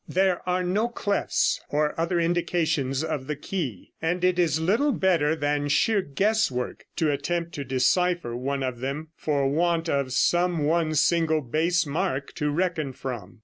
] There are no clefs or other indications of the key, and it is little better than sheer guesswork to attempt to decipher one of them, for want of some one single base mark to reckon from.